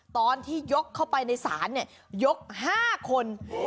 ตอนที่ยกเข้าไปในศาลยก๕คน